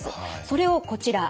それをこちら。